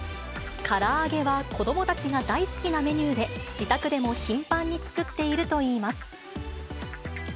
から揚げは子どもたちが大好きなメニューで、自宅でも頻繁に作っているといいます。